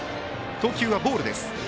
投球はボールです。